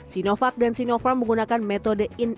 sinovac dan sinopharm menggunakan metode